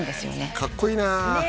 かっこいいなねえ